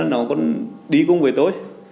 nó còn đi cùng với tôi